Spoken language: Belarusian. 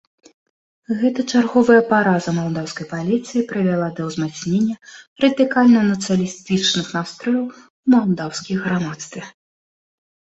Гэта чарговая параза малдаўскай паліцыі прывяла да ўзмацнення радыкальна нацыяналістычных настрояў у малдаўскім грамадстве.